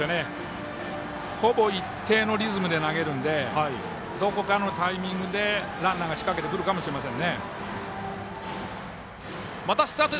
ほぼ一定のリズムで投げるのでどこかのタイミングでランナーが仕掛けてくるかもしれませんね。